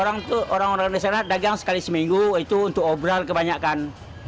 orang itu orang orang di sana dagang sekali seminggu itu untuk obrol kebanyakan